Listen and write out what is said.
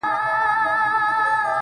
سترګي د رقیب دي سپلنی سي چي نظر نه سي -